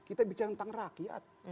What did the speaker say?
kita bicara tentang rakyat